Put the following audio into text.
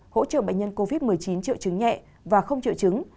hỗ trợ bệnh nhân covid một mươi chín triệu chứng nhẹ và không triệu chứng